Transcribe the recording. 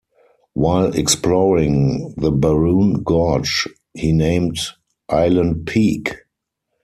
While exploring the Barun gorge he named Island Peak.